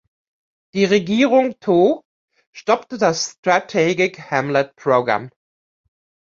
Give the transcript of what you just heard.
Die Regierung Thơ stoppte das Strategic Hamlet Program.